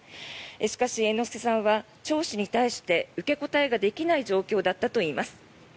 しかし、猿之助さんは聴取に対して受け答えができない状況だったといいます。